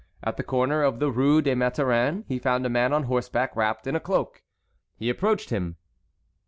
At the corner of the Rue des Mathurins he found a man on horseback, wrapped in a cloak. He approached him.